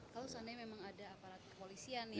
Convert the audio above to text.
kalau seandainya memang ada aparat kepolisian ya